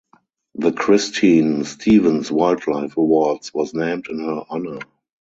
The Christine Stevens Wildlife Awards was named in her honour.